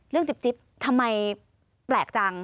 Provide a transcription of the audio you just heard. เรื่องจิ๊บทำไมแปลกจัง